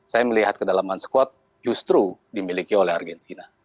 saya melihat kedalaman squad justru dimiliki oleh argentina